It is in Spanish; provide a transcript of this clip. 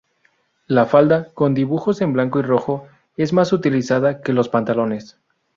La falda, con dibujos en blanco y rojo, es más utilizada que los pantalones.